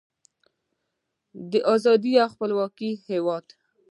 د ازادۍ او خپلواکۍ هیواد.